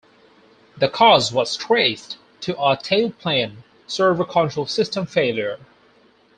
The cause was traced to a tailplane servo control system failure.